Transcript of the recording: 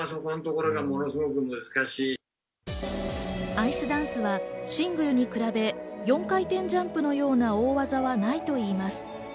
アイスダンスはシングルに比べ、４回転ジャンプのような大技はないといいます。